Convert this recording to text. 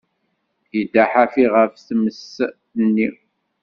Yedda ḥafi ɣef tmes-nni.